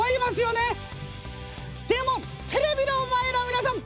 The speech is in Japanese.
でもテレビの前のみなさん